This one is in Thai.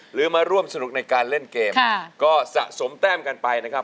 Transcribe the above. หรือมาร่วมสนุกในการเล่นเกมก็สะสมแต้มกันไปนะครับ